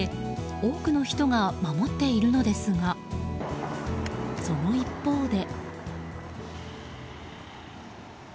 多くの人が守っているのですがその一方で。